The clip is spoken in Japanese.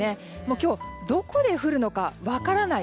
今日どこで降るのか分からない。